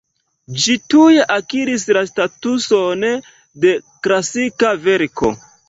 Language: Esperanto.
Ĝi tuj akiris la statuson de klasika verko.